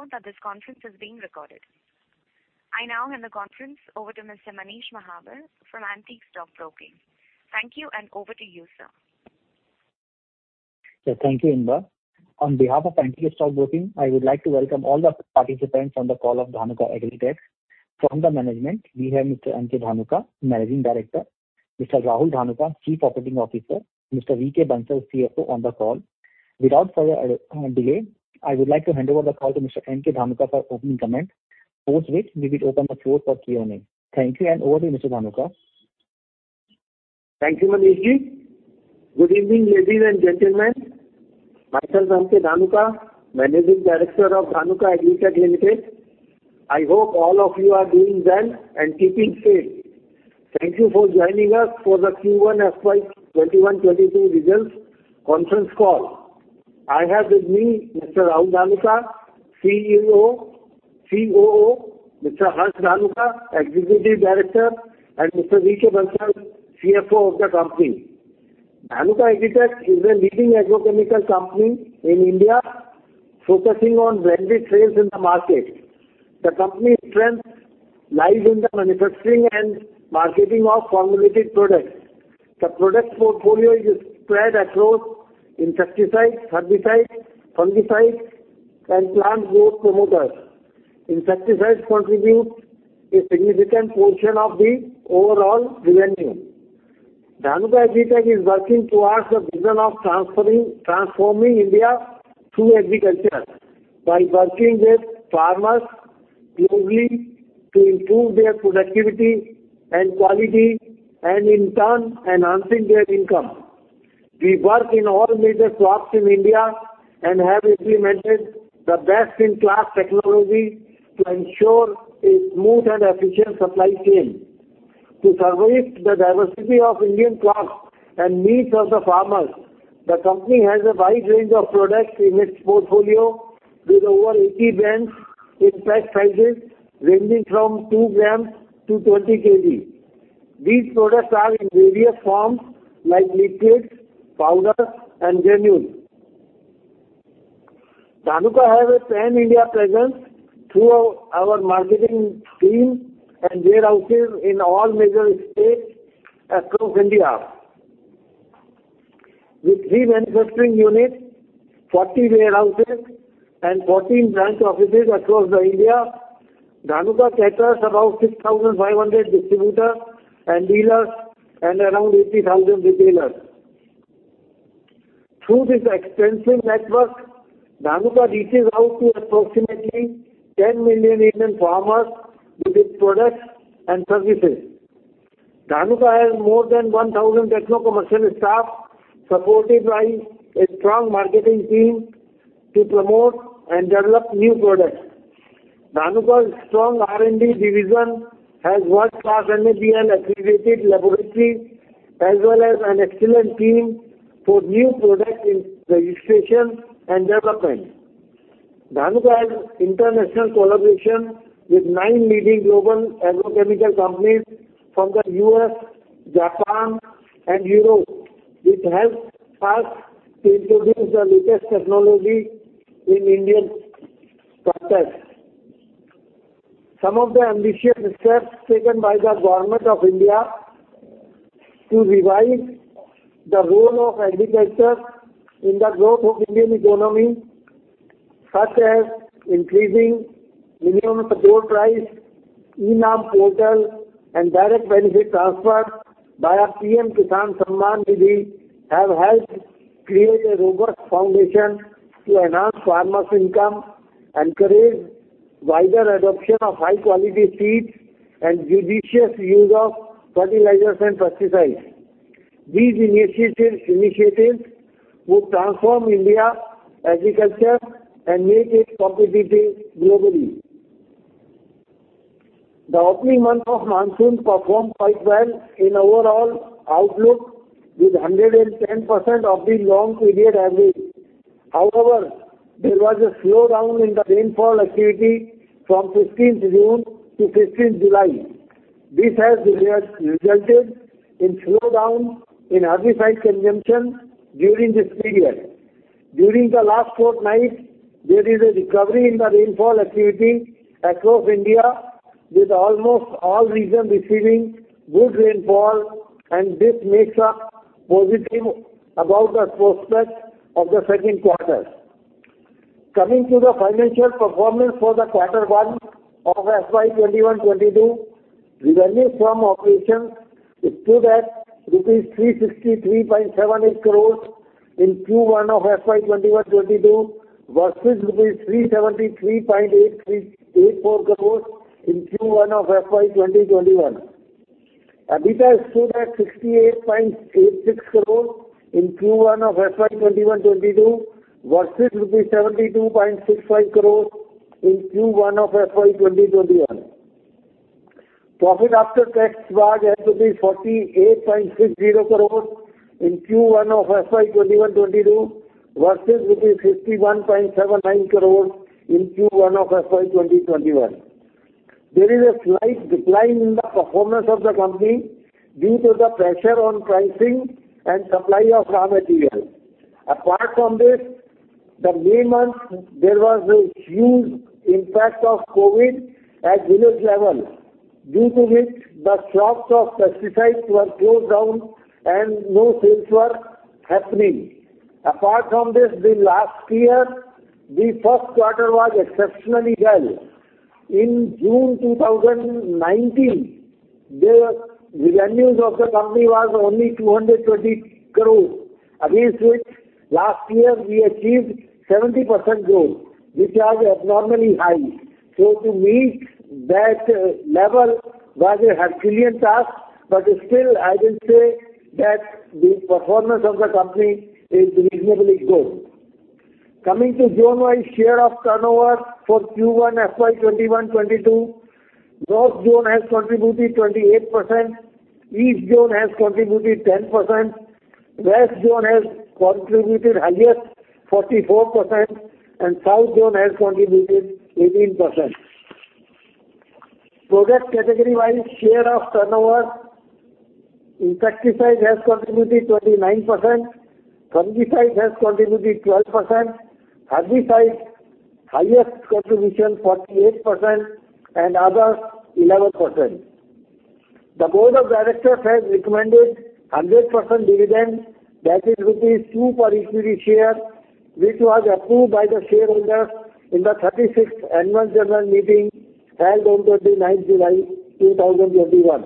Please note that this conference is being recorded. I now hand the conference over to Mr. Manish Mahawar from Antique Stock Broking. Thank you, and over to you, sir. Thank you, Inba. On behalf of Antique Stock Broking, I would like to welcome all the participants on the call of Dhanuka Agritech. From the management, we have Mr. M. K. Dhanuka, Managing Director, Mr. Rahul Dhanuka, Chief Operating Officer, Mr. V. K. Bansal, CFO on the call. Without further delay, I would like to hand over the call to Mr. M. K. Dhanuka for opening comments. After which we will open the floor for Q&A. Thank you, and over to you, Mr. Dhanuka. Thank you, Manish. Good evening, ladies and gentlemen. Myself M. K. Dhanuka, Managing Director of Dhanuka Agritech Limited. I hope all of you are doing well and keeping safe. Thank you for joining us for the Q1 FY 2021-2022 results conference call. I have with me Mr. Rahul Dhanuka, COO, Mr. Harsh Dhanuka, Executive Director, and Mr. V. K. Bansal, CFO of the company. Dhanuka Agritech is a leading Agrochemical company in India focusing on branded sales in the market. The company's strength lies in the manufacturing and marketing of formulated products. The product portfolio is spread across insecticides, herbicides, fungicides, and plant growth promoters. Insecticides contribute a significant portion of the overall revenue. Dhanuka Agritech is working towards the vision of transforming India through agriculture while working with farmers closely to improve their productivity and quality, and in turn, enhancing their income. We work in all major crops in India and have implemented the best-in-class technology to ensure a smooth and efficient supply chain. To service the diversity of Indian crops and needs of the farmers, the company has a wide range of products in its portfolio with over 80 brands in pack sizes ranging from 2 grams to 20 kg. These products are in various forms like liquids, powders, and granules. Dhanuka has a pan-India presence through our marketing team and warehouses in all major states across India. With three manufacturing units, 40 warehouses, and 14 branch offices across India, Dhanuka caters to about 6,500 distributors and dealers and around 80,000 retailers. Through this extensive network, Dhanuka reaches out to approximately 10 million Indian farmers with its products and services. Dhanuka has more than 1,000 techno-commercial staff, supported by a strong marketing team to promote and develop new products. Dhanuka's strong R&D division has world-class NABL-accredited laboratory, as well as an excellent team for new product registration and development. Dhanuka has international collaboration with nine leading global Agrochemical companies from the U.S., Japan, and Europe, which helps us to introduce the latest technology in Indian context. Some of the ambitious steps taken by the Government of India to revise the role of agriculture in the growth of Indian economy, such as increasing minimum support price, e-NAM portal, and direct benefit transfer via PM Kisan Samman Nidhi, have helped create a robust foundation to enhance farmers' income, encourage wider adoption of high-quality seeds, and judicious use of fertilizers and pesticides. These initiatives will transform Indian agriculture and make it competitive globally. The opening month of monsoon performed quite well in overall outlook with 110% of the long period average. There was a slowdown in the rainfall activity from 15th June to 15th July. This has resulted in slowdown in herbicide consumption during this period. During the last fortnight, there is a recovery in the rainfall activity across India, with almost all regions receiving good rainfall. This makes us positive about the prospects of the second quarter. Coming to the financial performance for the quarter one of FY 2021-2022, revenue from operations stood at INR 363.78 crores in Q1 of FY 2021-2022, versus INR 373.84 crores in Q1 of FY 2020-2021. EBITDA stood at INR 68.86 crores in Q1 of FY 2021-2022 versus INR 72.65 crores in Q1 of FY 2020-2021. Profit after tax was at 48.60 crores in Q1 of FY 2021-2022 versus 51.79 crores in Q1 of FY 2020-2021. There is a slight decline in the performance of the company due to the pressure on pricing and supply of raw materials. Apart from this, the May, there was a huge impact of COVID at village level, due to which the shops of pesticides were closed down and no sales were happening. Apart from this, the last year, the first quarter was exceptionally well. In June 2019, the revenues of the company was only 220 crore, against which last year we achieved 70% growth, which was abnormally high. To meet that level was a Herculean task, but still, I will say that the performance of the company is reasonably good. Coming to zone-wise share of turnover for Q1 FY 2021/2022, North zone has contributed 28%, East zone has contributed 10%, West zone has contributed highest, 44%, and South zone has contributed 18%. Product category-wise share of turnover, insecticides has contributed 29%, fungicides has contributed 12%, herbicides highest contribution 48%, and other 11%. The board of directors has recommended 100% dividend, that is rupees 2 for equity share, which was approved by the shareholders in the 36th Annual General Meeting held on 29th July 2021.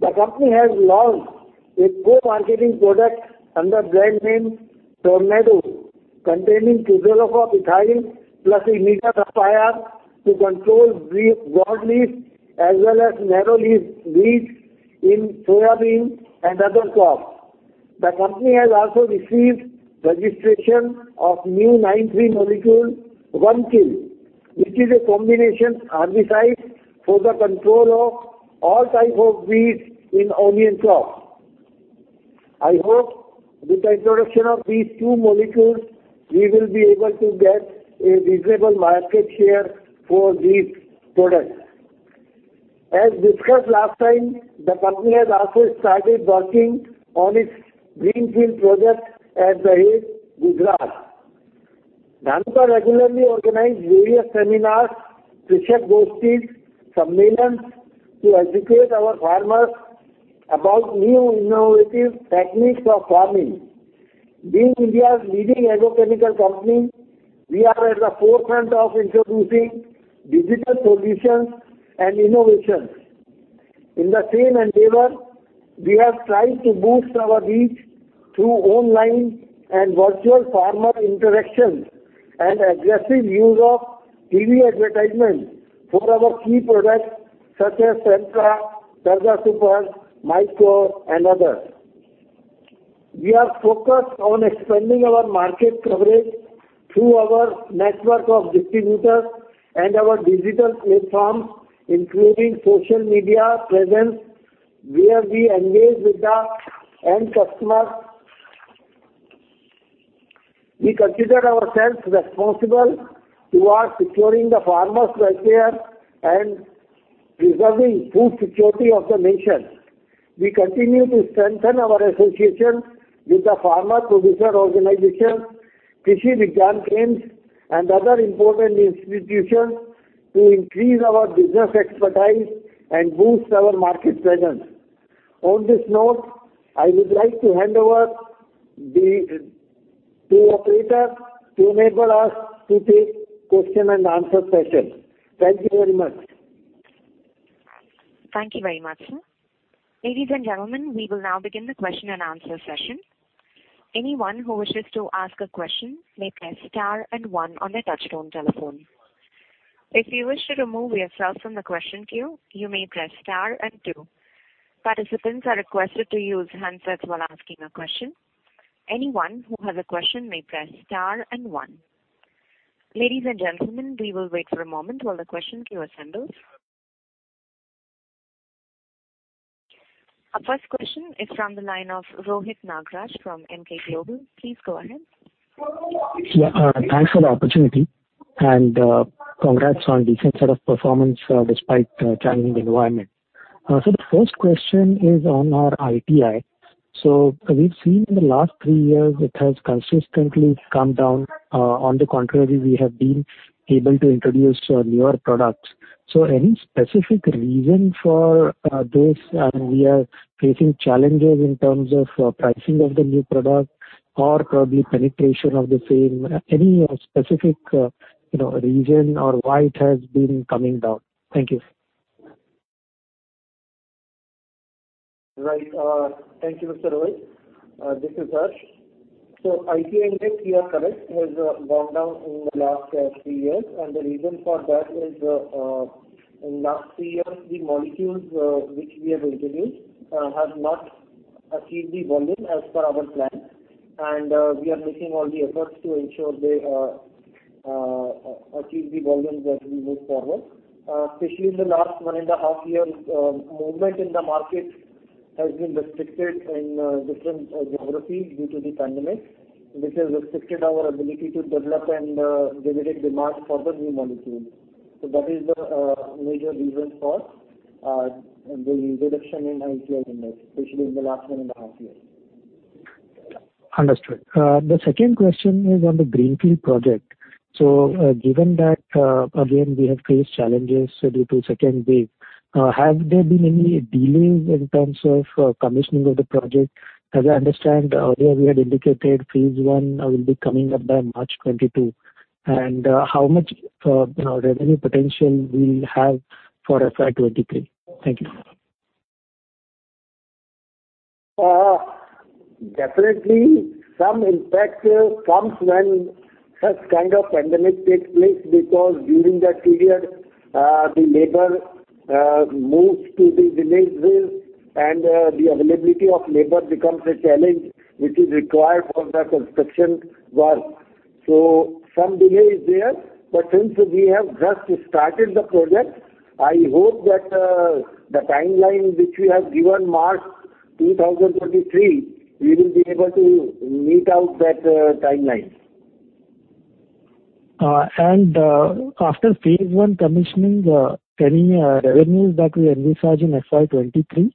The company has launched a co-marketing product under brand name Tornado, containing cuzilopochiclium plus a megacrya to control broad-leaf as well as narrow-leaf weeds in soya bean and other crops. The company has also received registration of new 9(3) molecule, Onekil, which is a combination herbicide for the control of all type of weeds in onion crops. I hope with the introduction of these two molecules, we will be able to get a reasonable market share for these products. As discussed last time, the company has also started working on its Greenfield project at Dahej, Gujarat. Dhanuka regularly organize various seminars, Krishi Gosthi, symposiums, to educate our farmers about new innovative techniques of farming. Being India's leading Agrochemical company, we are at the forefront of introducing digital solutions and innovations. In the same endeavor, we have tried to boost our reach through online and virtual farmer interactions and aggressive use of TV advertisements for our key products such as Sentra, Targa Super, Mycore and others. We are focused on expanding our market coverage through our network of distributors and our digital platforms, including social media presence, where we engage with the end customer. We consider ourselves responsible towards securing the farmers' welfare and preserving food security of the nation. We continue to strengthen our association with the farmer producer organization, Krishi Vigyan Kendras, and other important institutions to increase our business expertise and boost our market presence. On this note, I would like to hand over to operator to enable us to take question and answer session. Thank you very much. Thank you very much, sir. Ladies and gentlemen, we will now begin the question and answer session. Anyone who wishes to ask a question may press star and one on their touchtone telephone. If you wish to remove yourself from the question queue, you may press star and two. Participants are requested to use handsets while asking a question. Anyone who has a question may press star and one. Ladies and gentlemen, we will wait for a moment while the question queue assembles. Our first question is from the line of Rohit Nagraj from Emkay Global. Please go ahead. Yeah. Thanks for the opportunity. Congrats on decent set of performance despite challenging environment. The first question is on our ITI. We've seen in the last three years it has consistently come down. On the contrary, we have been able to introduce newer products. Any specific reason for this? We are facing challenges in terms of pricing of the new product or probably penetration of the same. Any specific reason or why it has been coming down? Thank you. Right. Thank you, Mr. Rohit. This is Harsh. ITI index, you are correct, has gone down in the last three years. The reason for that is, in last three years, the molecules which we have introduced have not achieved the volume as per our plan. We are making all the efforts to ensure they achieve the volumes as we move forward. Especially in the last 1.5 years, movement in the market has been restricted in different geographies due to the pandemic, which has restricted our ability to develop and generate demand for the new molecules. That is the major reason for the reduction in high clearence, especially in the last 1.5 years. Understood. The second question is on the greenfield project. Given that, again, we have faced challenges due to second wave, have there been any delays in terms of commissioning of the project? As I understand, earlier we had indicated phase one will be coming up by March 2022. How much revenue potential we have for FY 2023? Thank you. Definitely some impact comes when such kind of pandemic takes place because during that period, the labor moves to the villages and the availability of labor becomes a challenge, which is required for the construction work. Some delay is there, but since we have just started the project, I hope that the timeline which we have given, March 2023, we will be able to meet out that timeline. After phase I commissioning, any revenues that we envisage in FY 2023?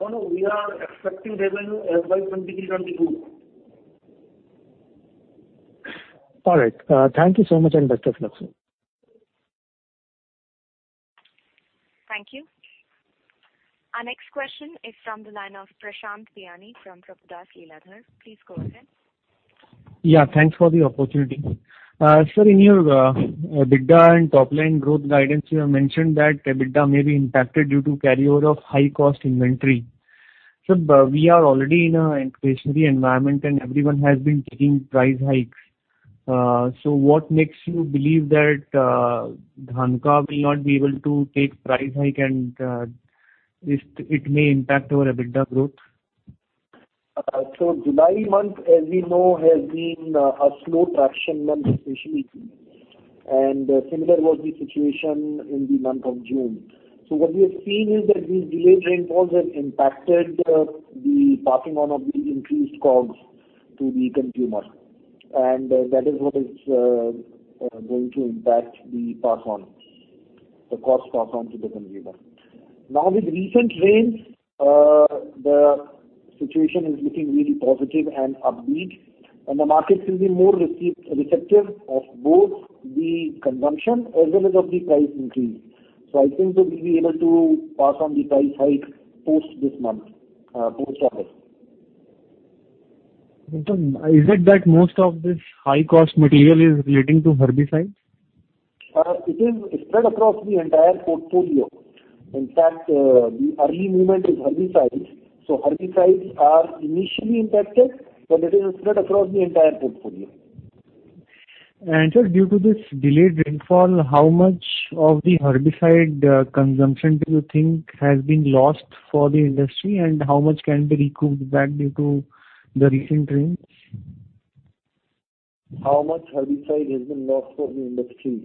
No, no. We are expecting revenue FY 2023, 2022. All right. Thank you so much and best of luck, sir. Thank you. Our next question is from the line of Prashant Bhayani from Prabhudas Lilladher. Please go ahead. Yeah, thanks for the opportunity. Sir, in your EBITDA and top-line growth guidance, you have mentioned that EBITDA may be impacted due to carryover of high-cost inventory. Sir, we are already in an inflationary environment and everyone has been taking price hikes. What makes you believe that Dhanuka will not be able to take price hike and it may impact our EBITDA growth? July month, as we know, has been a slow traction month especially. Similar was the situation in the month of June. What we have seen is that these delayed rainfalls have impacted the passing on of the increased COGS to the consumer, and that is what is going to impact the pass-on, the cost pass-on to the consumer. Now with recent rains, the situation is looking really positive and upbeat, and the markets will be more receptive of both the consumption as well as of the price increase. I think we'll be able to pass on the price hike post this month, post August. Is it that most of this high-cost material is relating to herbicides? It is spread across the entire portfolio. In fact, the early movement is herbicides. Herbicides are initially impacted, but it is spread across the entire portfolio. Sir, due to this delayed rainfall, how much of the herbicide consumption do you think has been lost for the industry, and how much can be recouped back due to the recent rains? How much herbicide has been lost for the industry?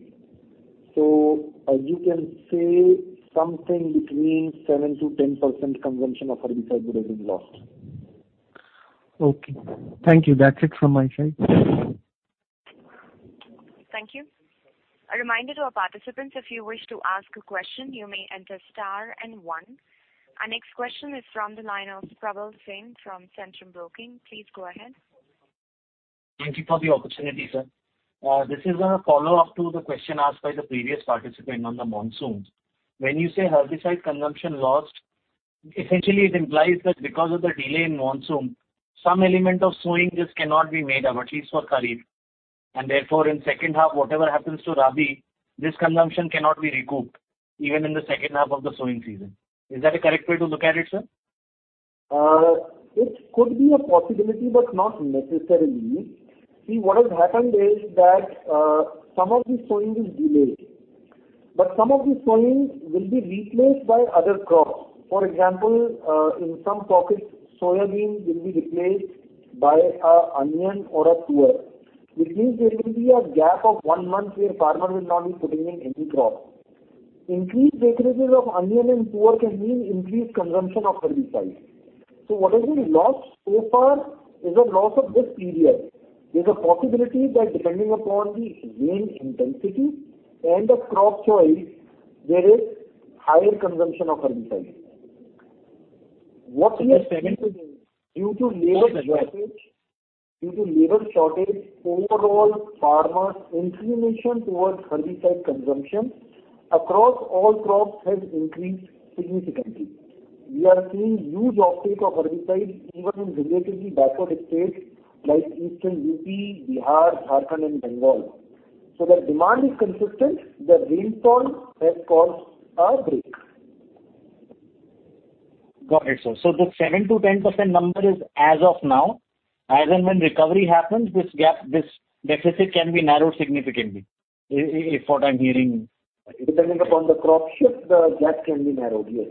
As you can say, something between 7%-10% consumption of herbicide would have been lost. Okay. Thank you. That's it from my side. Thank you. A reminder to our participants, if you wish to ask a question, you may enter star one. Our next question is from the line of Prabal Singh from Centrum Broking. Please go ahead. Thank you for the opportunity, sir. This is a follow-up to the question asked by the previous participant on the monsoons. When you say herbicide consumption lost, essentially it implies that because of the delay in monsoon, some element of sowing just cannot be made up, at least for kharif. Therefore, in second half, whatever happens to rabi, this consumption cannot be recouped even in the second half of the sowing season. Is that a correct way to look at it, sir? What has happened is that some of the sowing is delayed, but some of the sowing will be replaced by other crops. For example, in some pockets, soybeans will be replaced by onion or arhar, which means there will be a gap of 1 month where farmer will not be putting in any crop. Increased acres of onion and arhar can mean increased consumption of herbicides. What has been lost so far is a loss of this period. There's a possibility that depending upon the rain intensity and the crop choice, there is higher consumption of herbicides. Due to labor shortage, overall farmers' inclination towards herbicide consumption across all crops has increased significantly. We are seeing huge uptake of herbicides even in relatively backward states like eastern UP, Bihar, Jharkhand and Bengal. The demand is consistent. The rainfall has caused a break. Got it, sir. The 7%-10% number is as of now, as and when recovery happens, this deficit can be narrowed significantly. Depending upon the crop shift, the gap can be narrowed. Yes.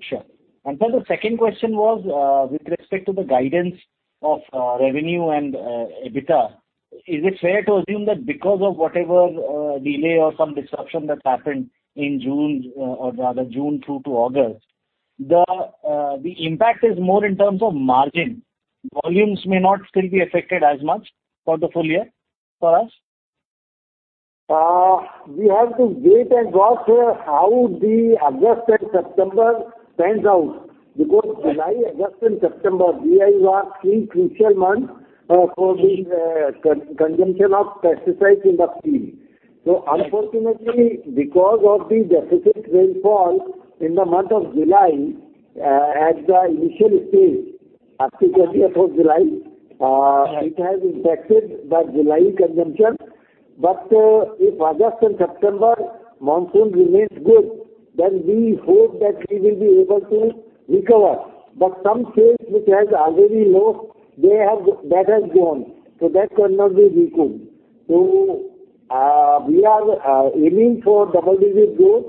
Sure. Sir, the second question was with respect to the guidance of revenue and EBITDA? Is it fair to assume that because of whatever delay or some disruption that happened in June, or rather June through to August, the impact is more in terms of margin. Volumes may not still be affected as much for the full year for us. We have to wait and watch how the August and September pans out, because July, August, and September, these are three crucial months for the consumption of pesticide industry. Unfortunately, because of the deficient rainfall in the month of July, at the initial stage, up to 20th of July, it has impacted the July consumption. If August and September monsoon remains good, then we hope that we will be able to recover. Some sales which has already lost, that has gone. That cannot be recouped. We are aiming for double-digit growth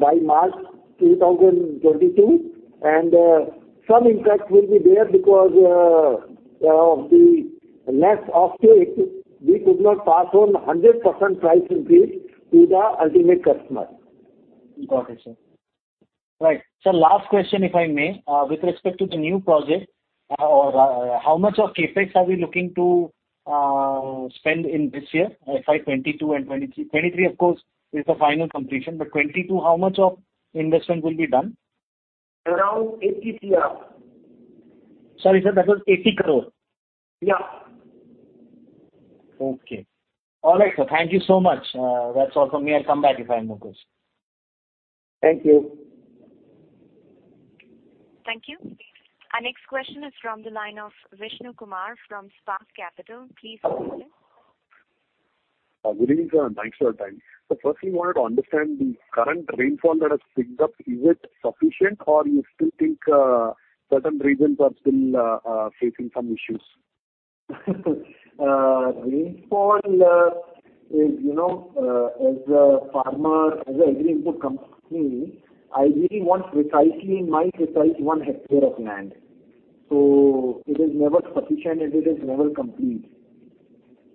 by March 2022, and some impact will be there because of the less off take. We could not pass on 100% price increase to the ultimate customer. Got it, sir. Right. Sir, last question, if I may. With respect to the new project, how much of CapEx are we looking to spend in this year, FY 2022 and 2023? 2023, of course, is the final completion, but 2022, how much of investment will be done? Around 80 crore. Sorry, sir. That was 80 crore? Yeah. Okay. All right, sir. Thank you so much. That's all from me. I'll come back if I have more questions. Thank you. Thank you. Our next question is from the line of Vishnu Kumar from Spark Capital. Please go ahead, sir. Good evening, sir. Thanks for your time. First, we wanted to understand the current rainfall that has picked up. Is it sufficient or you still think certain regions are still facing some issues? Rainfall, as a ag input company, I really want precisely my precise one hectare of land. It is never sufficient and it is never complete,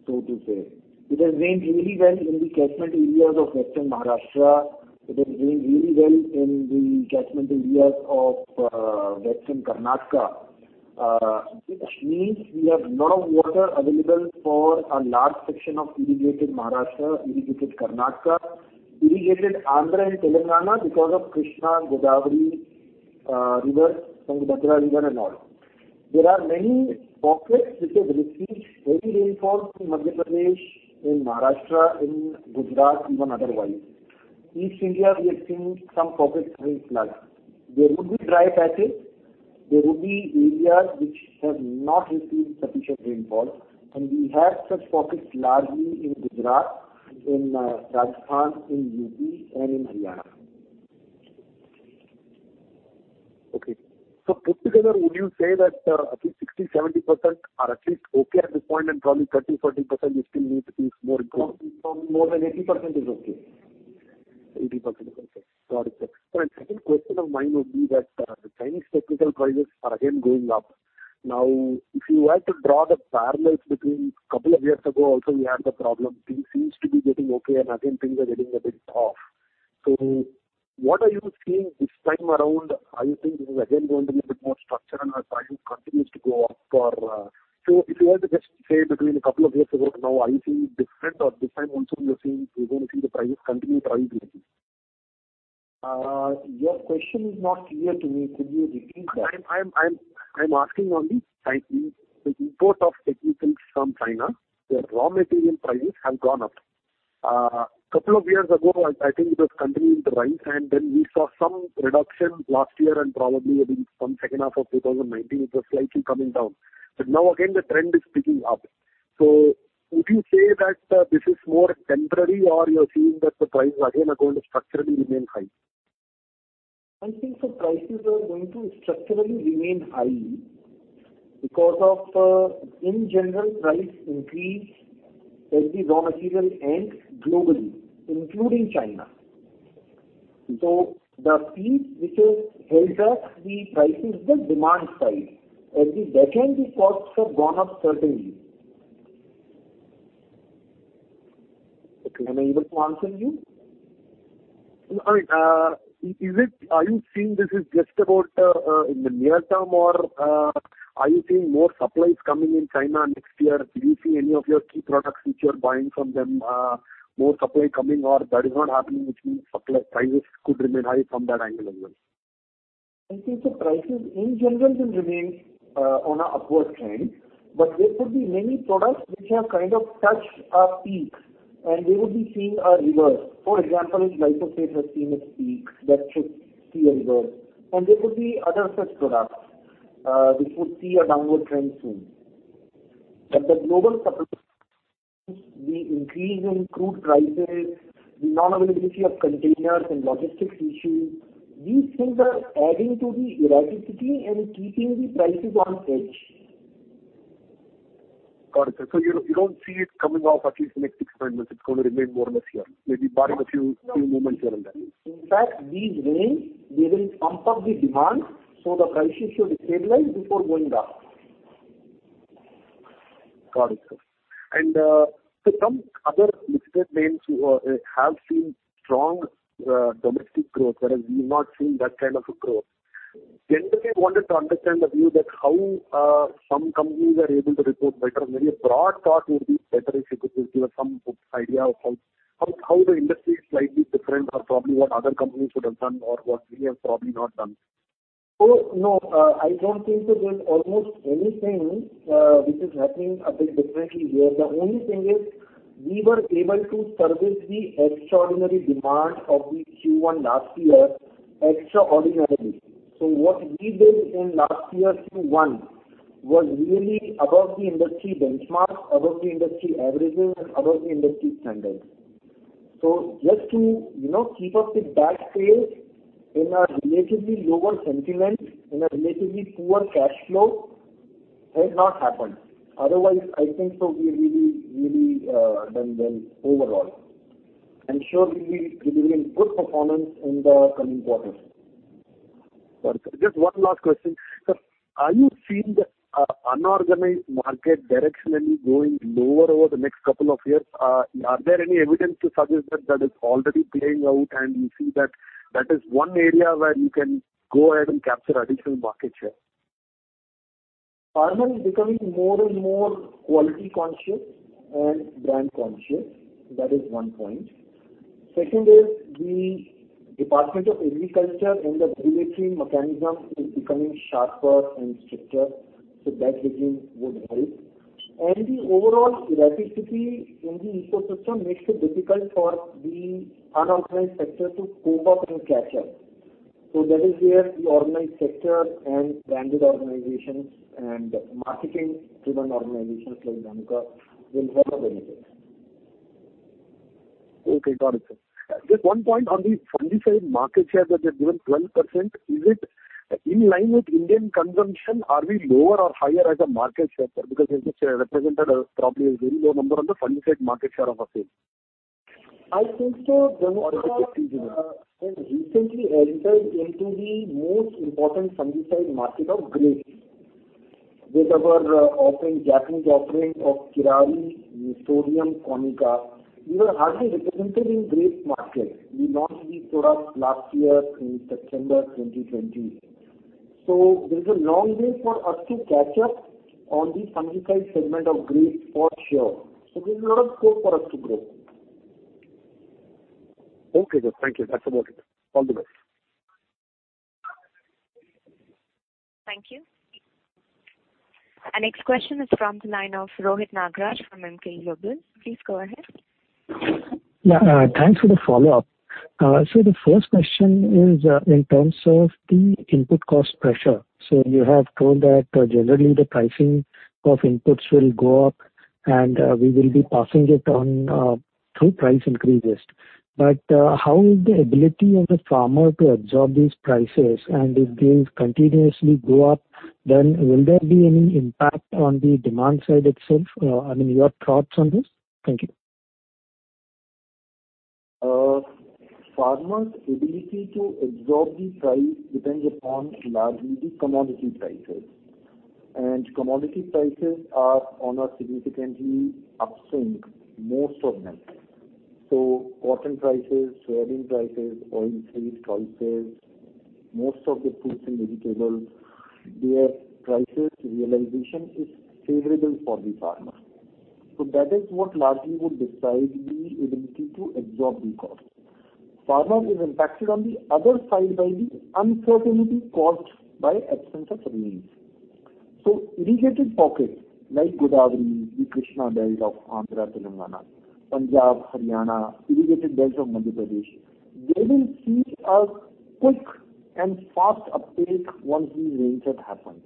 so to say. It has rained really well in the catchment areas of western Maharashtra. It has rained really well in the catchment areas of western Karnataka, which means we have lot of water available for a large section of irrigated Maharashtra, irrigated Karnataka, irrigated Andhra and Telangana because of Krishna, Godavari River, Tungabhadra River, and all. There are many pockets which have received heavy rainfall in Madhya Pradesh, in Maharashtra, in Gujarat, even otherwise. East India, we have seen some pockets having floods. There would be dry patches. There would be areas which have not received sufficient rainfall, and we have such pockets largely in Gujarat, in Rajasthan, in U.P., and in Haryana. Okay. Put together, would you say that at least 60%-70% are at least okay at this point and probably 30%-40% you still need to see more improvement? More than 80% is okay. 80% is okay. Got it, sir. Sir, a second question of mine would be that Chinese technical prices are again going up. If you had to draw the parallels between couple of years ago also we had the problem. Things seems to be getting okay and again, things are getting a bit tough. What are you seeing this time around? Are you seeing this is again going to be a bit more structural as China continues to go up? If you had to just say between a couple of years ago to now, are you seeing different or this time also you're going to see the prices continue rising again? Your question is not clear to me. Could you repeat that? I'm asking on the import of technicals from China, their raw material prices have gone up. Couple of years ago, I think it was continuing to rise, and then we saw some reduction last year and probably, I think some second half of 2019, it was slightly coming down. Now again, the trend is picking up. Would you say that this is more temporary or you're seeing that the prices again are going to structurally remain high? I think the prices are going to structurally remain high because of, in general, price increase at the raw material end globally, including China. The force which has held up the prices is the demand side. At the backend, the costs have gone up certainly. Okay. Am I able to answer you? Are you seeing this is just about in the near term or are you seeing more supplies coming in China next year? Do you see any of your key products which you are buying from them, more supply coming or that is not happening, which means prices could remain high from that angle as well? I think the prices in general will remain on a upward trend, but there could be many products which have kind of touched a peak, and we would be seeing a reverse. For example, glyphosate has seen its peak. That should see a reverse. There could be other such products which would see a downward trend soon. The global supply, the increase in crude prices, the non-availability of containers and logistics issues, these things are adding to the erraticity and keeping the prices on edge. Got it, sir. You don't see it coming off at least next six to eight months. It's going to remain more or less here. Maybe barring a few movements here and there. In fact, these rains, they will pump up the demand, so the prices should stabilize before going down. Got it, sir. Some other listed names have seen strong domestic growth, whereas we've not seen that kind of a growth. Generally, I wanted to understand the view that how some companies are able to report better. Maybe a broad thought would be better if you could give us some idea of how the industry is slightly different or probably what other companies would have done or what we have probably not done. No, I don't think so there's almost anything which is happening a bit differently here. The only thing is we were able to service the extraordinary demand of the Q1 last year extraordinarily. What we did in last year Q1 was really above the industry benchmark, above the industry averages, and above the industry standards. Just to keep up with that pace in a relatively lower sentiment, in a relatively poor cash flow has not happened. Otherwise, I think so we have really done well overall. Sure, we will be delivering good performance in the coming quarters. Got it. Just one last question. Sir, are you seeing the unorganized market directionally going lower over the next couple of years? Are there any evidence to suggest that is already playing out and you see that is one area where you can go ahead and capture additional market share? Farmer is becoming more and more quality conscious and brand conscious. That is one point. Second is the Department of Agriculture and the regulatory mechanism is becoming sharper and stricter, that regime would help. The overall elasticity in the ecosystem makes it difficult for the unorganized sector to cope up and catch up. That is where the organized sector and branded organizations and marketing-driven organizations like Dhanuka will have the benefit. Okay, got it, sir. Just one point on the fungicide market share that you have given 12%, is it in line with Indian consumption? Are we lower or higher as a market share? As it represented, probably a very low number on the fungicide market share of sales. I think. Is it seasonal? Dhanuka has recently entered into the most important fungicide market of grapes. With our Japanese offering of Kirari, Nissodium, Conika. We were hardly represented in grape market. We launched the product last year in September 2020. There's a long way for us to catch up on the fungicide segment of grapes for sure. There's a lot of scope for us to grow. Okay, good. Thank you. That's about it. All the best. Thank you. Our next question is from the line of Rohit Nagraj from Emkay Global. Please go ahead. Yeah. Thanks for the follow-up. The first question is in terms of the input cost pressure. You have told that generally the pricing of inputs will go up, and we will be passing it on through price increases. How is the ability of the farmer to absorb these prices? If they continuously go up, then will there be any impact on the demand side itself? Your thoughts on this. Thank you. Farmer's ability to absorb the price depends upon largely the commodity prices. Commodity prices are on a significantly upswing, most of them. Cotton prices, soybean prices, oilseed prices, most of the fruits and vegetables, their prices realization is favorable for the farmer. That is what largely would decide the ability to absorb the cost. Farmer is impacted on the other side by the uncertainty caused by absence of rains. Irrigated pockets like Godavari, the Krishna belts of Andhra, Telangana, Punjab, Haryana, irrigated belts of Madhya Pradesh, they will see a quick and fast uptake once the rains have happened.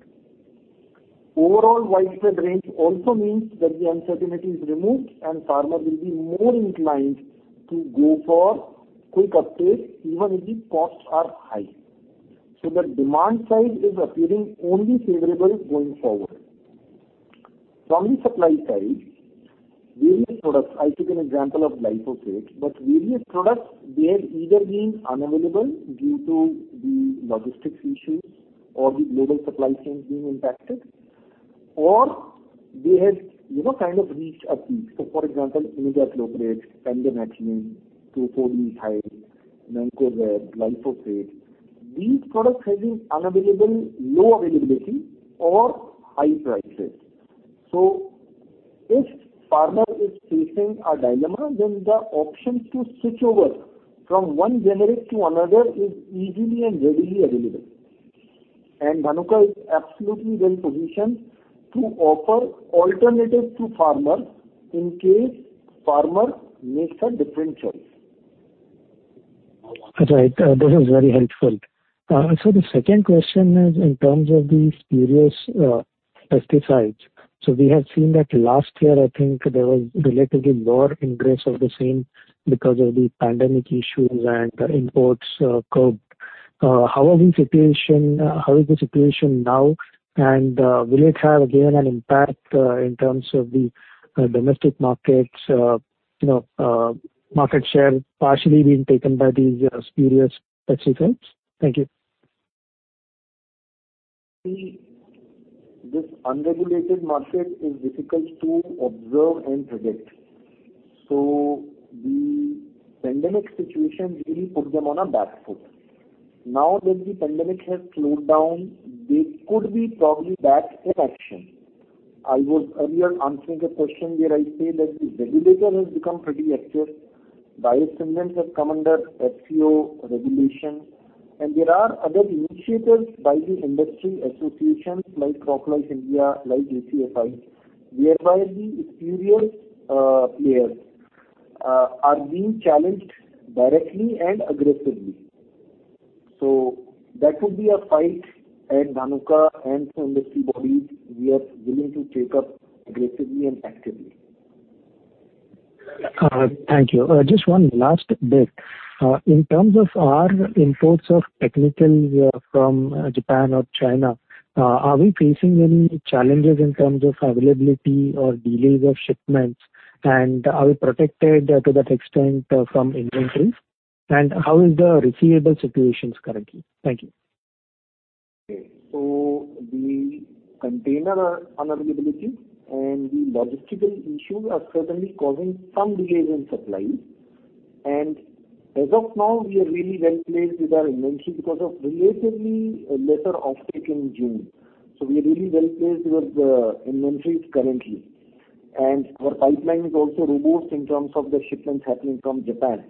Overall widespread rains also means that the uncertainty is removed and farmer will be more inclined to go for quick uptake even if the costs are high. The demand side is appearing only favorable going forward. From the supply side, various products, I took an example of glyphosate, but various products, they have either been unavailable due to the logistics issues or the global supply chains being impacted, or they have kind of reached a peak. For example, imidacloprid, pendimethalin, 2,4-D ester, mancozeb, glyphosate. These products have been unavailable, low availability or high prices. If farmer is facing a dilemma, the option to switch over from one generic to another is easily and readily available. Dhanuka is absolutely well-positioned to offer alternative to farmers in case farmer makes a different choice. That's right. This is very helpful. The second question is in terms of the spurious pesticides. We have seen that last year, I think there was relatively more ingress of the same because of the pandemic issues and imports curbed. How is the situation now? Will it have again an impact in terms of the domestic market share partially being taken by these spurious pesticides? Thank you. This unregulated market is difficult to observe and predict. The pandemic situation really put them on a back foot. Now that the pandemic has slowed down, they could be probably back in action. I was earlier answering a question where I say that the regulator has become pretty active. bio-stimulants have come under FCO regulation, and there are other initiatives by the industry associations like CropLife India, like ACFI, whereby the spurious players are being challenged directly and aggressively. That could be a fight and Dhanuka and some industry bodies, we are willing to take up aggressively and actively. Thank you. Just one last bit. In terms of our imports of technical from Japan or China, are we facing any challenges in terms of availability or delays of shipments? Are we protected to that extent from inventory? How is the receivable situation currently? Thank you. Okay. The container unavailability and the logistical issues are certainly causing some delay in supplies. As of now, we are really well-placed with our inventory because of relatively lesser offtake in June. We are really well-placed with inventories currently. Our pipeline is also robust in terms of the shipments happening from Japan.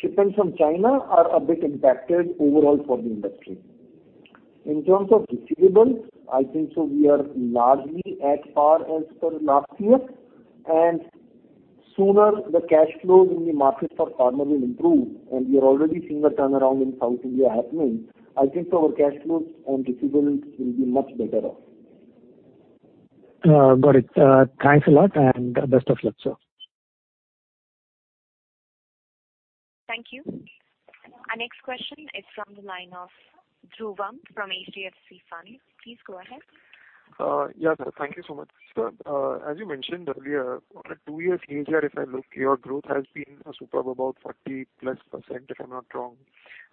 Shipments from China are a bit impacted overall for the industry. In terms of receivables, I think so we are largely at par as per last year, and sooner the cash flows in the markets of farmer will improve, and we are already seeing a turnaround in South India happening. I think our cash flows and receivables will be much better off. Got it. Thanks a lot, and best of luck, sir. Thank you. Our next question is from the line of Dhruv Muchhal from HDFC Fund. Please go ahead. Yeah. Thank you so much. Sir, as you mentioned earlier, on a two year CAGR, if I look, your growth has been superb, about 40%+, if I'm not wrong,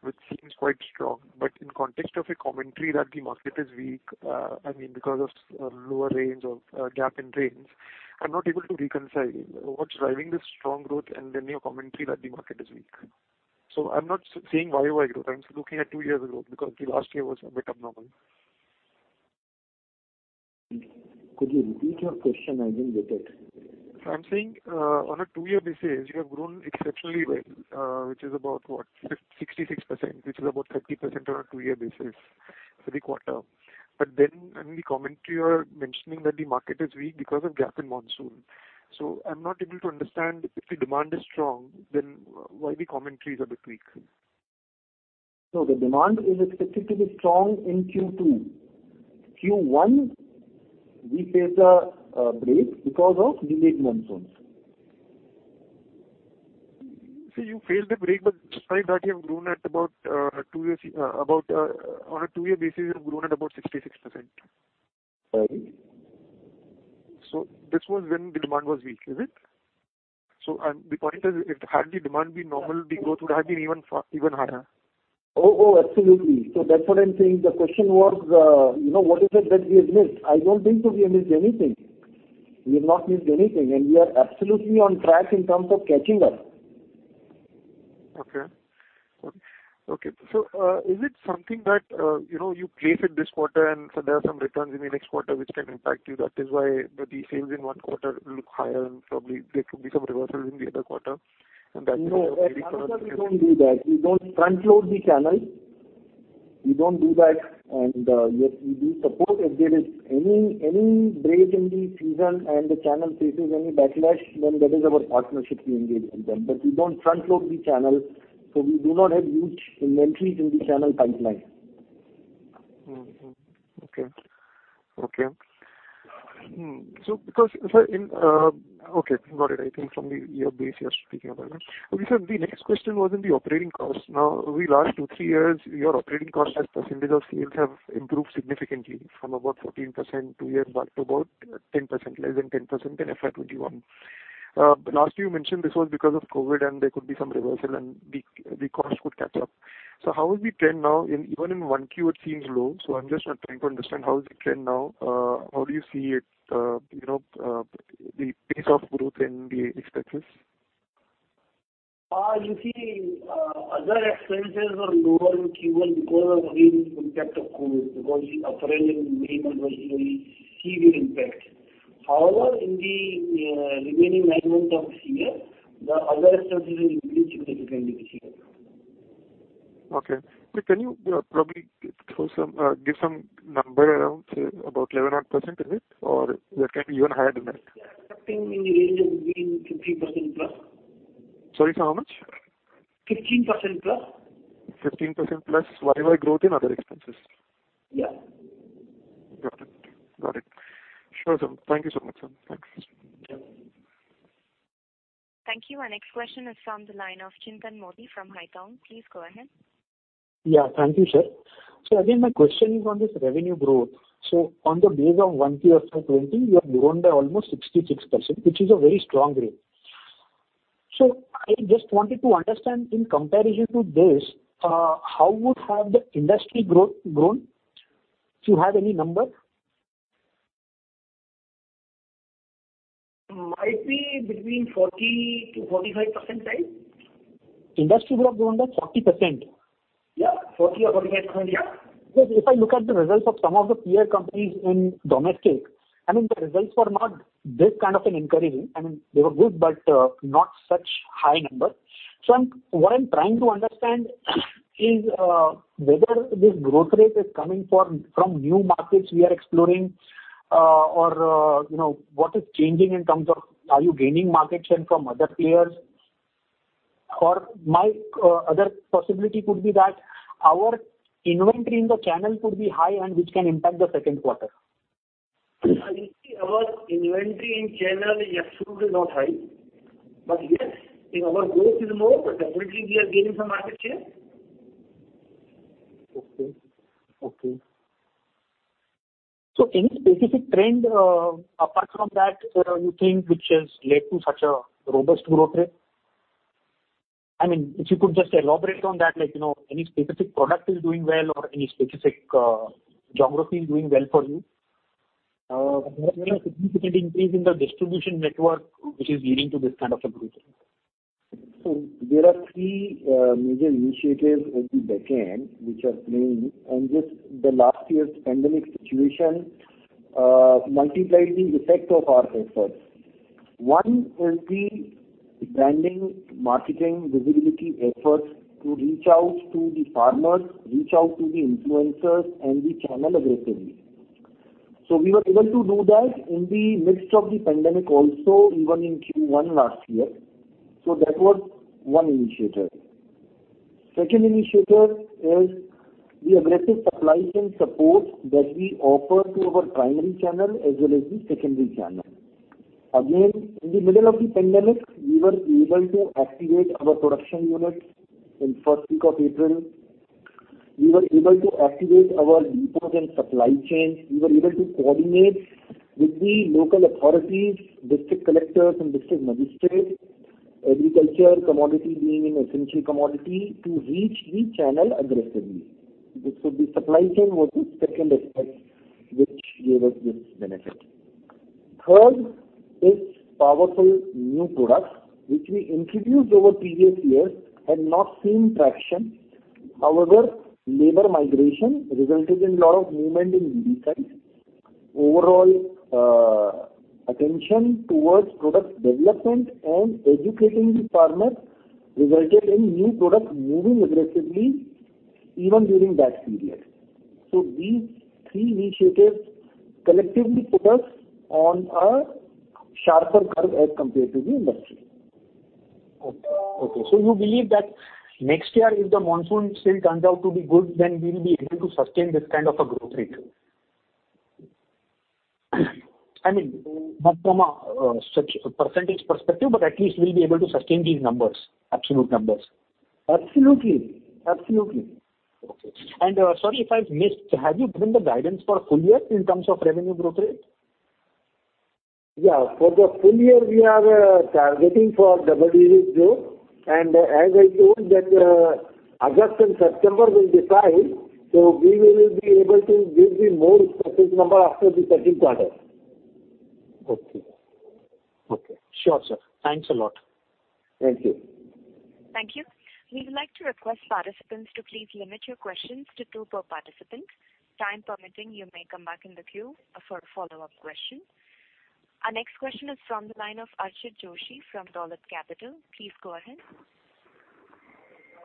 which seems quite strong. In context of your commentary that the market is weak, I mean, because of lower rains or gap in rains, I'm not able to reconcile what's driving this strong growth and then your commentary that the market is weak. I'm not saying YoY growth, I'm looking at two years ago, because the last year was a bit abnormal. Could you repeat your question? I didn't get it. I'm saying on a two-year basis, you have grown exceptionally well, which is about what? 66%, which is about 30% on a two-year basis for the quarter. In the commentary, you are mentioning that the market is weak because of gap in monsoon. I'm not able to understand if the demand is strong, then why the commentary is a bit weak. No, the demand is expected to be strong in Q2. Q1, we faced a break because of delayed monsoons. You faced a break, but despite that, you have grown at about, on a 2-year basis, you have grown at about 66%. Sorry. This was when the demand was weak, is it? The point is, had the demand been normal, the growth would have been even higher. Absolutely. That's what I'm saying. The question was, what is it that we have missed? I don't think so we have missed anything. We have not missed anything, and we are absolutely on track in terms of catching up. Okay. Is it something that you placed this quarter, and so there are some returns in the next quarter which can impact you, that is why the sales in one quarter look higher and probably there could be some reversals in the other quarter? No, at Dhanuka, we don't do that. We don't front-load the channel. We don't do that, and yes, we do support if there is any break in the season and the channel faces any backlash, then that is our partnership we engage with them. We don't front-load the channel, so we do not have huge inventories in the channel pipeline. Okay. Okay, got it. I think from the year base you are speaking about. Sir, the next question was in the operating cost. Over the last two, three years, your operating cost as percentage of sales have improved significantly from about 14% two years back to about 10%, less than 10% in FY 2021. Last year you mentioned this was because of COVID and there could be some reversal and the cost would catch up. How is the trend now? Even in 1Q, it seems low. I'm just trying to understand how is the trend now. How do you see it, the pace of growth and the expenses? You see, other expenses were lower in Q1 because of, again, impact of COVID, because the operations were severely impacted. In the remaining 9 months of this year, the other expenses will increase significantly this year. Okay. Sir, can you probably give some number around, say, about 11%, is it? Or that can be even higher than that? We are expecting in the range of 15%+. Sorry, sir, how much? 15%+. 15% plus YoY growth in other expenses. Yeah. Got it. Sure, sir. Thank you so much, sir. Thanks. Thank you. Our next question is from the line of Chintan Modi from Haitong. Please go ahead. Yeah. Thank you, sir. Again, my question is on this revenue growth. On the base of 1Q of FY 2020, you have grown by almost 66%, which is a very strong rate. I just wanted to understand, in comparison to this, how would have the industry grown? Do you have any number? Might be between 40%-45% range. Industry would have grown by 40%? Yeah, 40% or 45%. Yeah. If I look at the results of some of the peer companies in domestic, the results were not this kind of an encouraging. They were good, not such high number. What I'm trying to understand is whether this growth rate is coming from new markets we are exploring, or what is changing in terms of are you gaining market share from other players? My other possibility could be that our inventory in the channel could be high and which can impact the second quarter. You see, our inventory in general, year-to-date is not high. Yes, if our growth is more, definitely we are gaining some market share. Any specific trend, apart from that, you think, which has led to such a robust growth rate? If you could just elaborate on that, like any specific product is doing well or any specific geography is doing well for you. There are significant increase in the distribution network which is leading to this kind of a growth rate. There are three major initiatives in the backend which are playing, and just the last year's pandemic situation multiplied the effect of our efforts. One is the branding, marketing, visibility efforts to reach out to the farmers, reach out to the influencers and the channel aggressively. We were able to do that in the midst of the pandemic also, even in Q1 last year. That was one initiative. Second initiative is the aggressive supply chain support that we offer to our primary channel as well as the secondary channel. Again, in the middle of the pandemic, we were able to activate our production unit in first week of April. We were able to activate our depots and supply chains. We were able to coordinate with the local authorities, district collectors, and district magistrates, agriculture commodity being an essential commodity, to reach the channel aggressively. The supply chain was the second aspect which gave us this benefit. Third is powerful new products, which we introduced over previous years, had not seen traction. However, labor migration resulted in lot of movement in business. Overall attention towards product development and educating the farmer resulted in new products moving aggressively even during that period. These three initiatives collectively put us on a sharper curve as compared to the industry. Okay. You believe that next year, if the monsoon still turns out to be good, then we'll be able to sustain this kind of a growth rate? I mean, not from a percentage perspective, but at least we'll be able to sustain these numbers, absolute numbers. Absolutely. Okay. Sorry if I've missed, have you given the guidance for full year in terms of revenue growth rate? Yeah. For the full year, we are targeting for double-digit growth. As I told that, August and September will decide, so we will be able to give the more specific number after the second quarter. Okay. Sure, sir. Thanks a lot. Thank you. Thank you. We would like to request participants to please limit your questions to two per participant. Time permitting, you may come back in the queue for a follow-up question. Our next question is from the line of Archit Joshi from Dolat Capital. Please go ahead.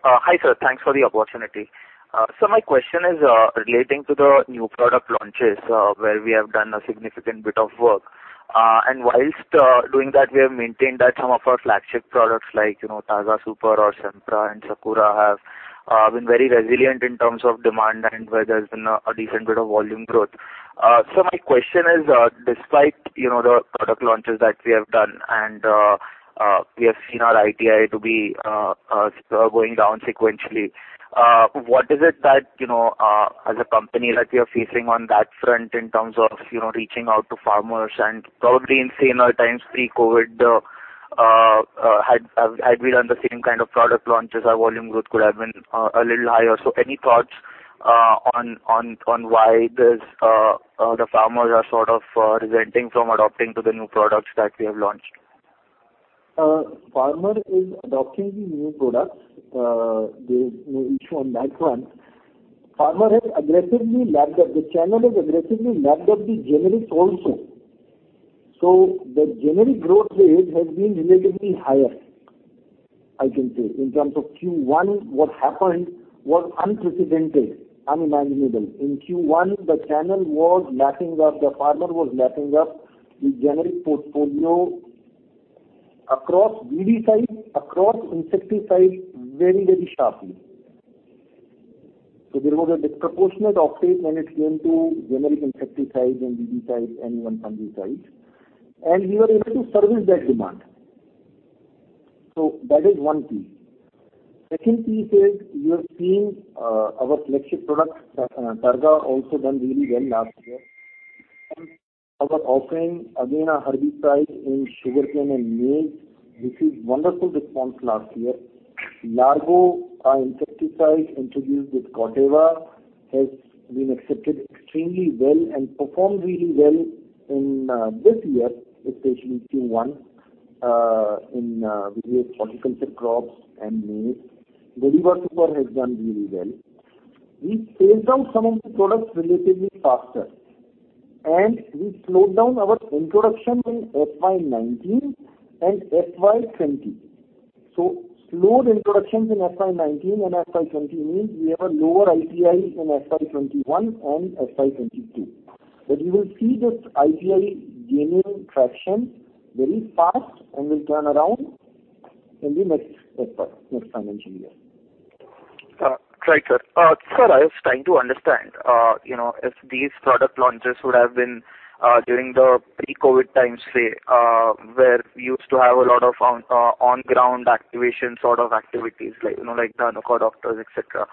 Hi, sir. Thanks for the opportunity. Sir, my question is relating to the new product launches, where we have done a significant bit of work. Whilst doing that, we have maintained that some of our flagship products like Targa Super or Sempra and Sakura have been very resilient in terms of demand and where there's been a decent bit of volume growth. Sir, my question is, despite the product launches that we have done and we have seen our ITI to be going down sequentially, what is it that as a company that you're facing on that front in terms of reaching out to farmers and probably in say, times pre-COVID, had we done the same kind of product launches, our volume growth could have been a little higher. Any thoughts on why the farmers are sort of resenting from adopting to the new products that we have launched? Farmer is adopting the new products. They may each on that front. The channel has aggressively lapped up the generics also. The generic growth rate has been relatively higher, I can say. In terms of Q1, what happened was unprecedented, unimaginable. In Q1, the channel was lapping up, the farmer was lapping up the generic portfolio across BD side, across insecticide very sharply. There was a disproportionate uptake when it came to generic insecticides and BD side and fungicides, and we were able to service that demand. Second piece is you have seen our flagship product, Targa, also done really well last year. Our offering, again, a herbicide in sugarcane and maize, received wonderful response last year. Largo, our insecticide introduced with Corteva, has been accepted extremely well and performed really well in this year, especially Q1 in various horticulture crops and maize. Targa Super has done really well. We phased out some of the products relatively faster, and we slowed down our introduction in FY 2019 and FY 2020. Slowed introductions in FY 2019 and FY 2020 means we have a lower ITI in FY 2021 and FY 2022. You will see this ITI gaining traction very fast and will turn around in the next financial year. Right, sir. Sir, I was trying to understand if these product launches would have been during the pre-COVID times, say, where we used to have a lot of on-ground activation sort of activities like the Dhanuka Doctors, et cetera,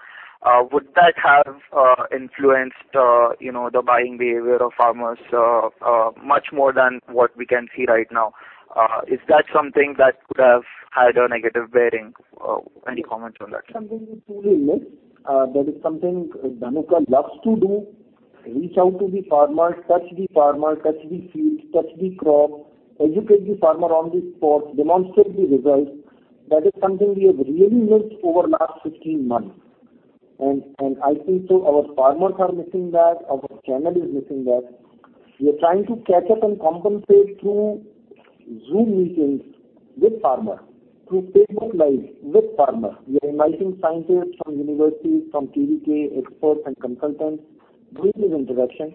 would that have influenced the buying behavior of farmers much more than what we can see right now? Is that something that could have had a negative bearing? Any comment on that? That is something we truly miss. That is something Dhanuka loves to do, reach out to the farmer, touch the farmer, touch the field, touch the crop, educate the farmer on the spots, demonstrate the results. That is something we have really missed over last 15 months. I think so our farmers are missing that, our channel is missing that. We are trying to catch up and compensate through Zoom meetings with farmers, through Facebook Live with farmers. We are inviting scientists from universities, from KVK, experts and consultants, doing these interactions.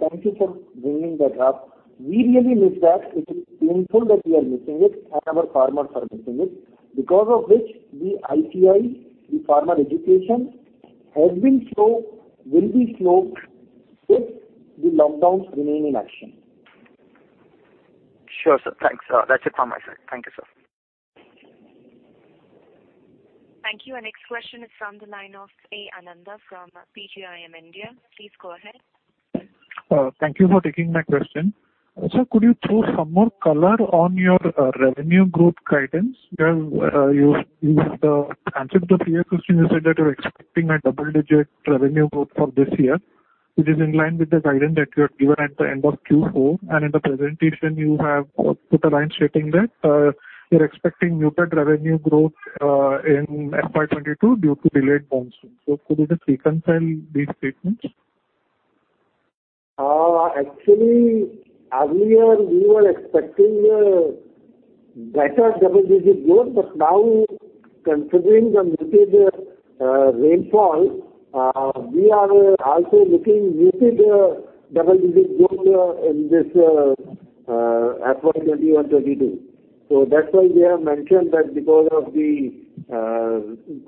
Thank you for bringing that up. We really miss that. It is painful that we are missing it, and our farmers are missing it. Because of which the ITI, the farmer education has been slow, will be slow if the lockdowns remain in action. Sure, sir. Thanks. That's it from my side. Thank you, sir. Thank you. Our next question is from the line of A. Anandha from PGIM India. Please go ahead. Thank you for taking my question. Sir, could you throw some more color on your revenue growth guidance? You had answered the PA question, you said that you're expecting a double-digit revenue growth for this year, which is in line with the guidance that you have given at the end of Q4. In the presentation, you have put a line stating that you're expecting muted revenue growth in FY 2022 due to delayed monsoon. Could you just reconcile these statements? Actually, earlier we were expecting a better double-digit growth, but now considering the muted rainfall, we are also looking muted double-digit growth in this FY 2021, FY 2022. That's why we have mentioned that because of the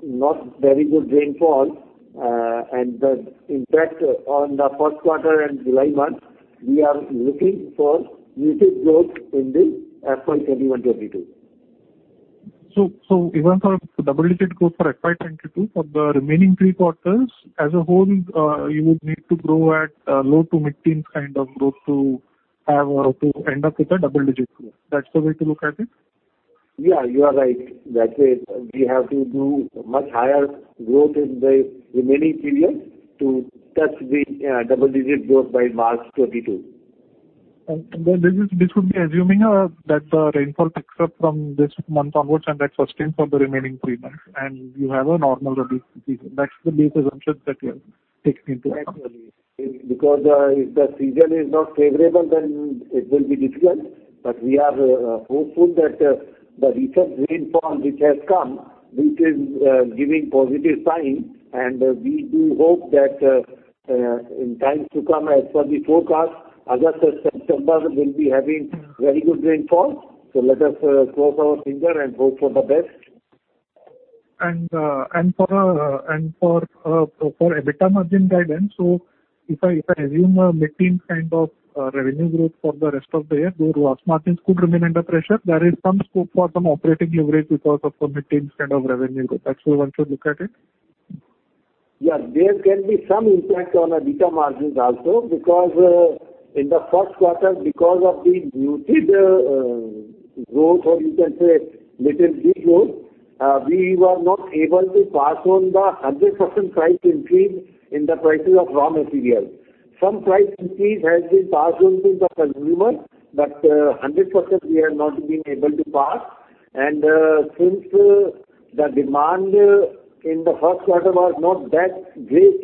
not very good rainfall, and the impact on the first quarter and July month, we are looking for muted growth in the FY 2021, FY 2022. Even for double-digit growth for FY 2022, for the remaining three quarters as a whole, you would need to grow at a low to mid-teen kind of growth to end up with a double-digit growth. That's the way to look at it? Yeah, you are right. That way, we have to do much higher growth in the remaining periods to touch the double-digit growth by March 2022. This would be assuming that the rainfall picks up from this month onwards and that sustains for the remaining three months, and you have a normal release. That's the base assumption that you have taken into account. Actually. Because if the season is not favorable, then it will be difficult. We are hopeful that the recent rainfall which has come, which is giving positive signs, and we do hope that in times to come, as per the forecast, August and September will be having very good rainfall. Let us cross our finger and hope for the best. For EBITDA margin guidance, if I assume a mid-teen kind of revenue growth for the rest of the year, though raw material margins could remain under pressure, there is some scope for some operating leverage because of the mid-teen kind of revenue growth. That's the way one should look at it? Yeah, there can be some impact on EBITDA margins also because in the first quarter because of the muted growth, or you can say little growth, we were not able to pass on the 100% price increase in the prices of raw materials. Some price increase has been passed on to the consumer, but 100% we have not been able to pass. Since the demand in the first quarter was not that great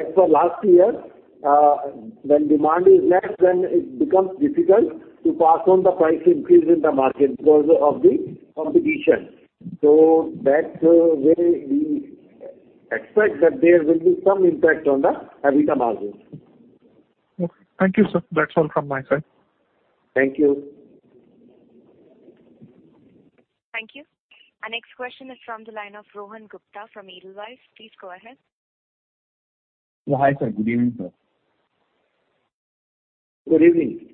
as for last year, when demand is less, then it becomes difficult to pass on the price increase in the market because of the competition. That way, we expect that there will be some impact on the EBITDA margins. Okay. Thank you, sir. That's all from my side. Thank you. Thank you. Our next question is from the line of Rohan Gupta from Edelweiss. Please go ahead. Hi, sir. Good evening, sir. Good evening.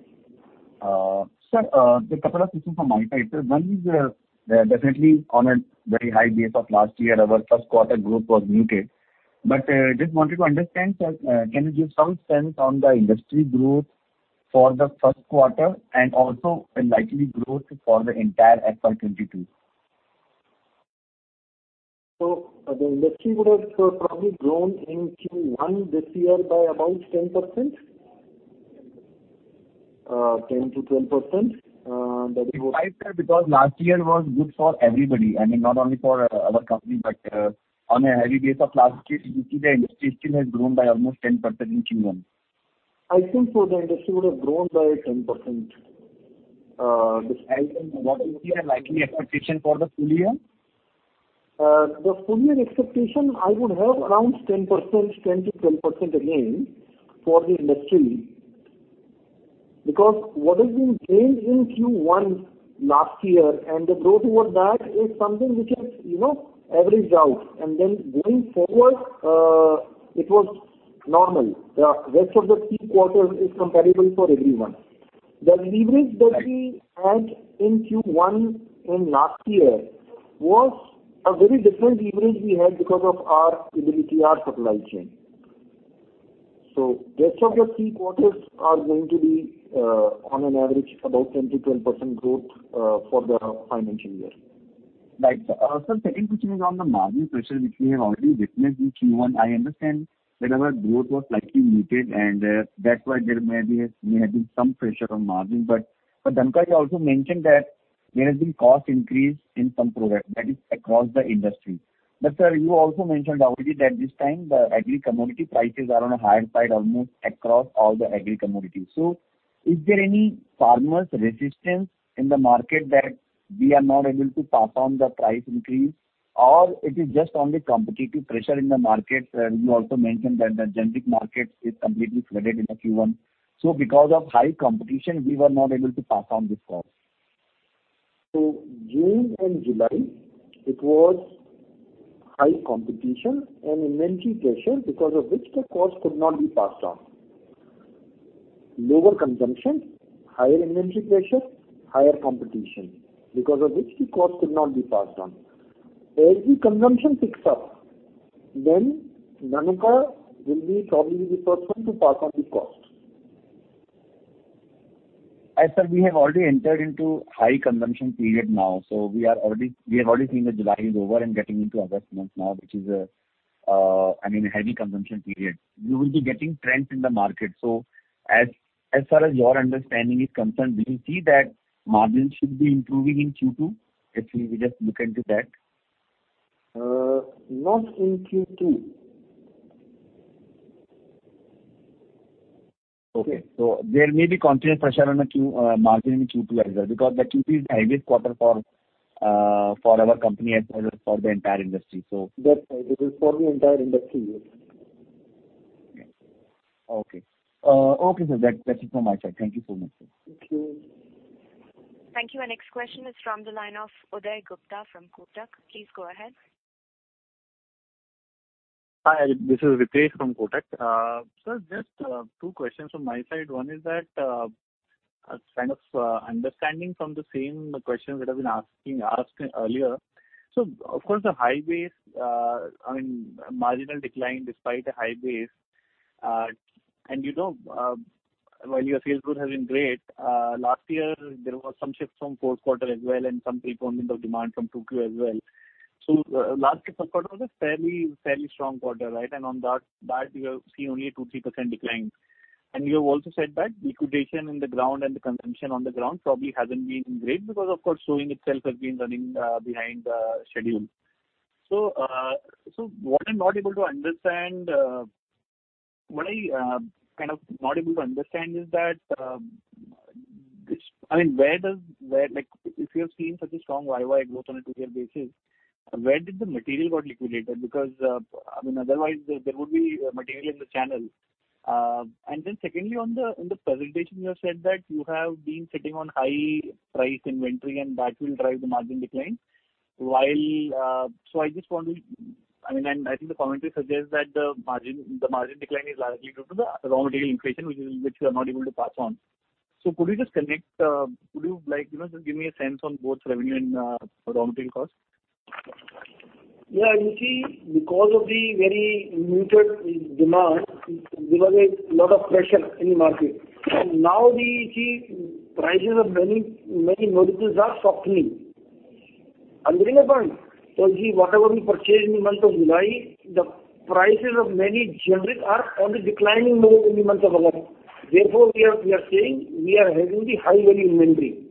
Sir, just two questions from my side. One is definitely on a very high base of last year, our first quarter growth was muted. Just wanted to understand, sir, can you give some sense on the industry growth for the first quarter and also a likely growth for the entire FY 2022? The industry would have probably grown in Q1 this year by about 10%, 10%-12%. Why, sir? Last year was good for everybody, I mean, not only for our company, but on a heavy base of last year, we see the industry still has grown by almost 10% in Q1. I think so, the industry would have grown by 10%. What is the likely expectation for the full year? The full year expectation, I would have around 10%, 10%-12% again for the industry. What has been gained in Q1 last year and the growth over that is something which has averaged out. Going forward, it was normal. The rest of the three quarters is comparable for everyone. The leverage that we had in Q1 in last year was a very different leverage we had because of our ability, our supply chain. Rest of the three quarters are going to be on an average about 10%-12% growth for the financial year. Right. Sir, second question is on the margin pressure, which we have already witnessed in Q1. I understand that our growth was slightly muted, and that's why there may have been some pressure on margin. Dhanuka, you also mentioned that there has been cost increase in some products, that is across the industry. Sir, you also mentioned already that this time the agri-commodity prices are on a higher side, almost across all the agri-commodities. Is there any farmers' resistance in the market that we are not able to pass on the price increase, or it is just only competitive pressure in the market? Sir, you also mentioned that the generic market is completely flooded in Q1. Because of high competition, we were not able to pass on this cost. June and July, it was high competition and inventory pressure, because of which the cost could not be passed on. Lower consumption, higher inventory pressure, higher competition, because of which the cost could not be passed on. As the consumption picks up, Dhanuka will be probably the first one to pass on the cost. Sir, we have already entered into high consumption period now. We have already seen that July is over and getting into August month now, which is a heavy consumption period. You will be getting trends in the market. As far as your understanding is concerned, do you see that margin should be improving in Q2, if we just look into that? Not in Q2. Okay. There may be continuous pressure on the margin in Q2 as well, because the Q3 is the heaviest quarter for our company as well as for the entire industry. That's right. It is for the entire industry. Okay. Okay, sir. That is from my side. Thank you so much, sir. Thank you. Thank you. Our next question is from the line of Udayan Gupta from Kotak. Please go ahead. Hi, this is Ritesh from Kotak. Sir, just two questions from my side. One is that, kind of understanding from the same questions that have been asked earlier. Of course, the high base, I mean, marginal decline despite a high base. While your sales growth has been great, last year there was some shift from fourth quarter as well and some pre-payment of demand from 2Q as well. Last quarter was a fairly strong quarter, right? On that, you have seen only a 2%-3% decline. You have also said that liquidation in the ground and the consumption on the ground probably hasn't been great because, of course, sowing itself has been running behind schedule. What I'm kind of not able to understand is that, if you have seen such a strong YoY growth on a two year basis, where did the material got liquidated? Because otherwise, there would be material in the channel. Secondly, on the presentation, you have said that you have been sitting on high-price inventory and that will drive the margin decline. I think the commentary suggests that the margin decline is largely due to the raw material inflation, which you are not able to pass on. Could you just connect, could you just give me a sense on both revenue and raw material costs? Yeah. You see, because of the very muted demand, there was a lot of pressure in the market. Now we see prices of many molecules are softening. Therefore, whatever we purchased in the month of July, the prices of many generics are on a declining mode in the month of August. Therefore, we are saying we are having the high-value inventory.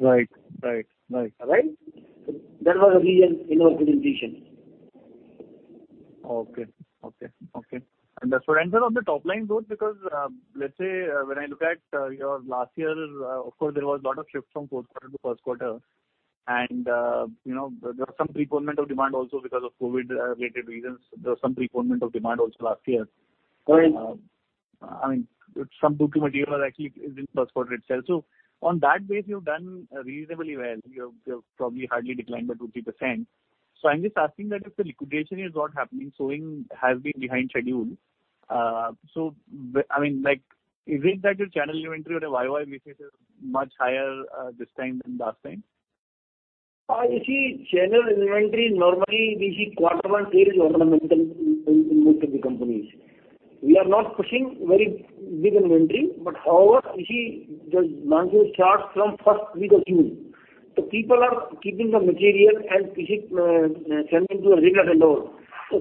Right. Right? That was the reason in our presentation. Okay. Does that answer on the top-line growth, because let's say when I look at your last year, of course, there was a lot of shift from fourth quarter to first quarter, and there was some prepayment of demand also because of COVID-related reasons. There was some prepayment of demand also last year. Correct. I mean, some 2Q material actually is in first quarter itself. On that base, you've done reasonably well. You've probably hardly declined by 2%-3%. I'm just asking that if the liquidation is not happening, sowing has been behind schedule. Is it that your channel inventory or your YoY basis is much higher this time than last time? You see, channel inventory, normally we see quarter one is ornamental in most of the companies. We are not pushing very big inventory, however, you see the monsoon starts from first week of June. People are keeping the material and sending to regional vendors.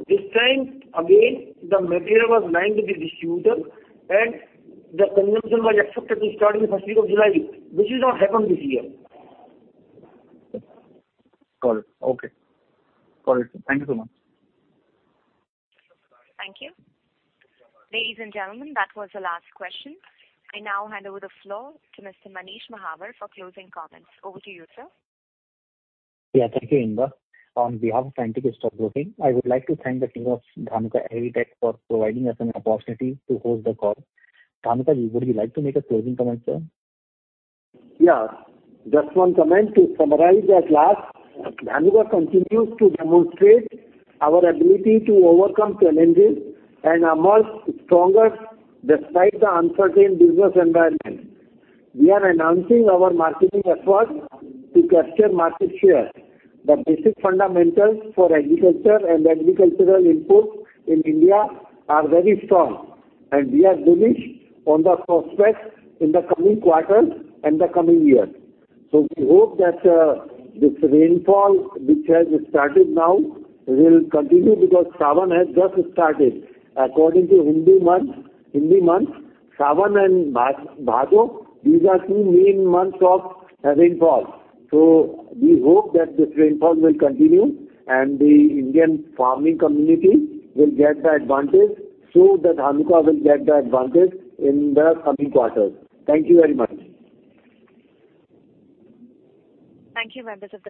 This time, again, the material was lying with the distributor and the consumption was expected to start in the first week of July, which has not happened this year. Got it. Okay. Got it. Thank you so much. Thank you. Ladies and gentlemen, that was the last question. I now hand over the floor to Mr. Manish Mahawar for closing comments. Over to you, sir. Yeah. Thank you, Inba. On behalf of Antique Stock Broking, I would like to thank the team of Dhanuka Agritech for providing us an opportunity to host the call. Dhanuka, would you like to make a closing comment, sir? Just one comment to summarize at last. Dhanuka continues to demonstrate our ability to overcome challenges and emerge stronger despite the uncertain business environment. We are enhancing our marketing efforts to capture market share. The basic fundamentals for agriculture and agricultural input in India are very strong, and we are bullish on the prospects in the coming quarters and the coming year. We hope that this rainfall, which has started now, will continue because Shravan has just started. According to Hindu months, Shravan and Bhado, these are two main months of rainfall. We hope that this rainfall will continue and the Indian farming community will get the advantage so that Dhanuka will get the advantage in the coming quarters. Thank you very much. Thank you, members of the team.